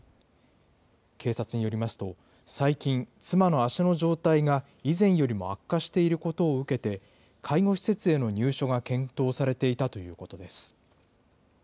警察によりますと、最近、妻の足の状態が以前よりも悪化していることを受けて、介護施設への入所が検討されていたということです。